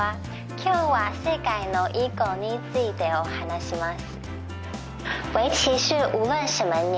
今日は世界の囲碁についてお話しします。